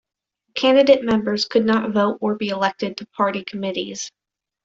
Candidate members could not vote or be elected to party committees.